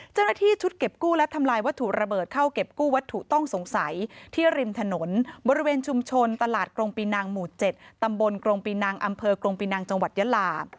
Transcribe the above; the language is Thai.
เจ้าหน้าที่ชุดเก็บกู้และทำลายวัตถุระเบิดเข้าเก็บกู้วัตถุต้องสงสัยที่ริมถนนบริเวณชุมชนตลาดกรงปีนังหมู่๗ตำบลกรงปีนังอำเภอกรงปีนังจังหวัดยะลา